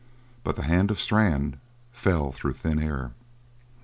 But the hand of Strann fell through thin air.